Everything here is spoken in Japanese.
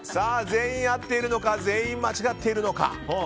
全員合っているのか全員間違っているのか。